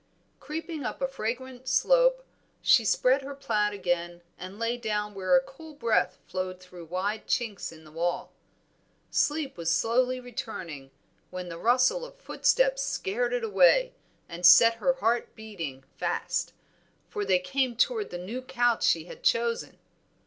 Creeping up a fragrant slope she spread her plaid again and lay down where a cool breath flowed through wide chinks in the wall. Sleep was slowly returning when the rustle of footsteps scared it quite away and set her heart beating fast, for they came toward the new couch she had chosen.